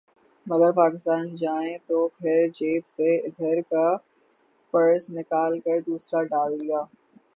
مگر پاکستان جائیں تو پھر جیب سے ادھر کا پرس نکال کر دوسرا ڈال لیا